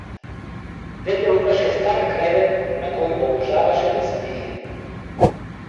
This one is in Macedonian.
Дедо имаше стар кревет на кој обожаваше да спие.